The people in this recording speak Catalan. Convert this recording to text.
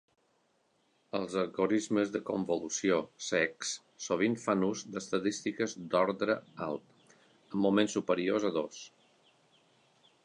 Els algorismes de convolució cecs sovint fan ús d'estadístiques d'ordre alt, amb moments superiors a dos.